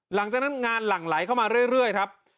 หลังจากนั้นงานหลั่งไหลเข้ามาเรื่อยครับ